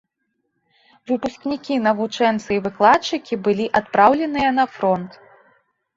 Выпускнікі, навучэнцы і выкладчыкі былі адпраўленыя на фронт.